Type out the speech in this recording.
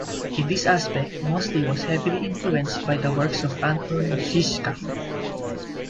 In this aspect, Mosley was heavily influenced by the works of Anton Zischka.